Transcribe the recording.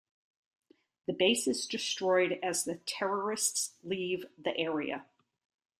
The base is destroyed as the terrorists leave the area.